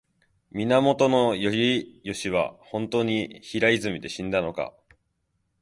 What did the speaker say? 源義経は本当に平泉で死んだのか